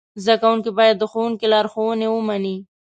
زده کوونکي باید د ښوونکي لارښوونې ومني.